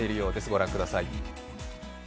ご覧ください。